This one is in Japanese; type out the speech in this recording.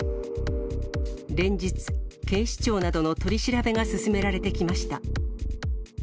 連日、警視庁などの取り調べが進められてきました。